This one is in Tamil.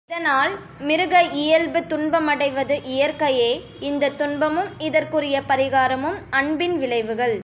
இதனால் மிருக இயல்பு துன்பமடைவது இயற்கையே, இந்தத் துன்பமும் இதற்குரிய பரிகாரமும் அன்பின் விளைவுகள்.